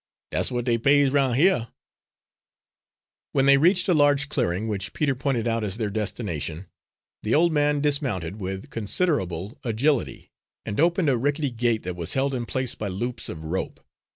"Dat's w'at dey pays roun' hyuh." When they reached a large clearing, which Peter pointed out as their destination, the old man dismounted with considerable agility, and opened a rickety gate that was held in place by loops of rope.